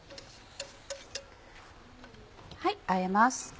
あえます。